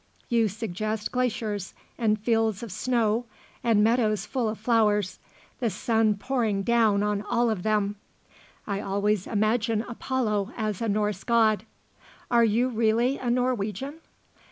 You suggest glaciers and fields of snow and meadows full of flowers the sun pouring down on all of them. I always imagine Apollo as a Norse God. Are you really a Norwegian?"